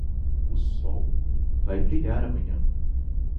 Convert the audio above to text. O sol vai brilhar amanhã.